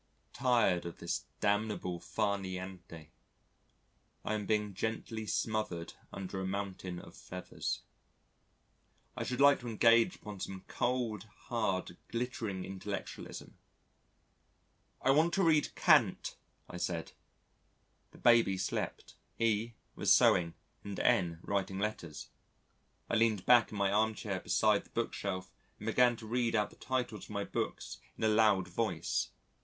Tired of this damnable far niente, I am being gently smothered under a mountain of feathers. I should like to engage upon some cold, hard, glittering intellectualism. "I want to read Kant," I said. The Baby slept, E was sewing and N writing letters. I leaned back in my armchair beside the bookshelf and began to read out the titles of my books in a loud voice.